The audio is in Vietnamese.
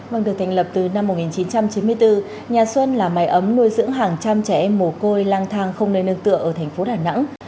vâng được thành lập từ năm một nghìn chín trăm chín mươi bốn nhà xuân là mái ấm nuôi dưỡng hàng trăm trẻ em mồ côi lang thang không nơi nương tựa ở thành phố đà nẵng